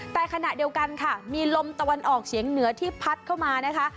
แต่ขณะเดียวกันค่ะมีลมตะวันออกเฉียงเหนือที่พัดเข้ามานะคะ